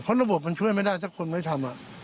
เพราะระบบมันช่วยไม่ได้ถ้าคนไม่ทำ